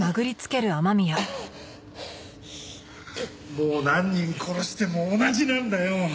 もう何人殺しても同じなんだよ。